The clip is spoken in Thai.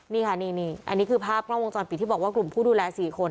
นี่ค่ะนี่อันนี้คือภาพกล้องวงจรปิดที่บอกว่ากลุ่มผู้ดูแล๔คน